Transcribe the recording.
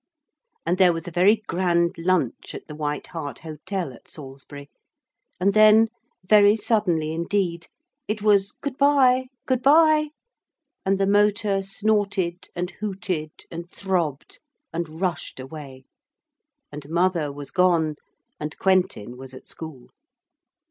And there was a very grand lunch at The White Hart Hotel at Salisbury, and then, very suddenly indeed, it was good bye, good bye, and the motor snorted, and hooted, and throbbed, and rushed away, and mother was gone, and Quentin was at school.